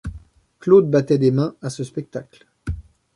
Claude battait des mains, à ce spectacle.